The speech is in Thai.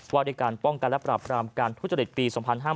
ว่าด้วยการป้องกันและปราบรามการทุจริตปี๒๕๕๙